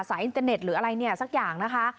อินเทอร์เน็ตหรืออะไรเนี่ยสักอย่างนะคะ